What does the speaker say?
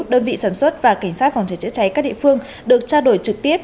đơn vị sản xuất và cảnh sát phòng chế chữa cháy các địa phương được tra đổi trực tiếp